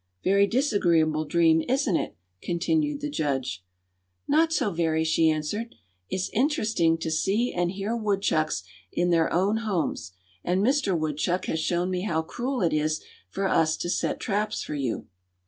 "Very disagreeable dream, isn't it?" continued the judge. "Not so very," she answered. "It's interesting to see and hear woodchucks in their own homes, and Mister Woodchuck has shown me how cruel it is for us to set traps for you."